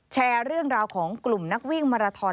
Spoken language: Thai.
แชร์เรื่องราวของกลุ่มนักวิ่งมาราทอน